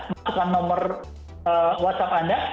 masukkan nomor whatsapp anda